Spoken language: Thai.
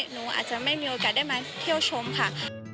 หนูอาจจะไม่มีโอกาสได้มาเที่ยวชมค่ะ